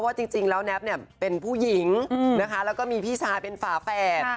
จริงแล้วแน็บเนี่ยเป็นผู้หญิงนะคะแล้วก็มีพี่ชายเป็นฝาแฝด